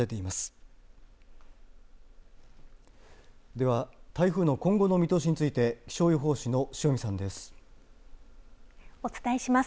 では台風の今後の見通しについて気象予報士の塩見さんです。